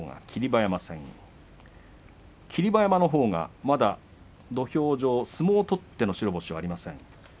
霧馬山のほうが、まだ土俵上、相撲を取っての白星がありません。